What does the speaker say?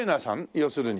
要するに。